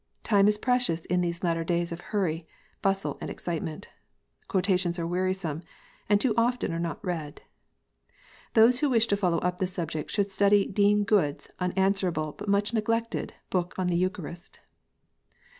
Time is precious in these latter days of hurry, bustle, and excitement. Quotations are wearisome, and too often are not read. Those who wish to follow up the subject should study Dean Goode s unanswerable, but much neglected, book on the Eucharist.